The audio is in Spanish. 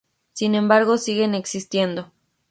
Sin embargo siguen existiendo.